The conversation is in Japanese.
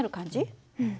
うん。